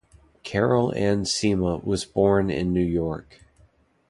Carol Ann Sima was born in New York.